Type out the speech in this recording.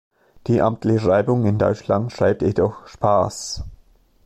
Die amtliche Schreibung in Deutschland schreibt jedoch "Spaß".